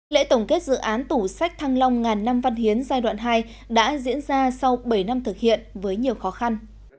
lễ tổng kết dự án tủ sách thăng long ngàn năm văn hiến giai đoạn hai đã diễn ra sau bảy năm thực hiện với nhiều khó khăn